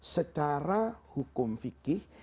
secara hukum fikih